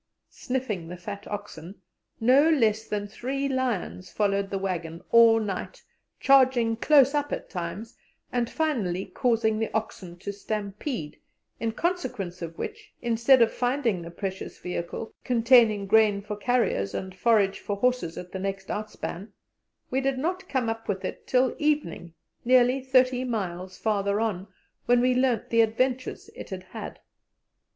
Sniffing the fat oxen, no less than three lions followed the waggon all night, charging close up at times, and finally causing the oxen to stampede, in consequence of which, instead of finding the precious vehicle, containing grain for carriers and forage for horses, at the next outspan, we did not come up with it till evening, nearly thirty miles farther on, when we learnt the adventures it had had.